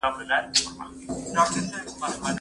زه هره ورځ خبري کوم؟!